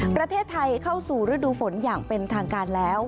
ประเทศไทยเข้าสู่ฤดูฝนอย่างเป็นทางการแล้ว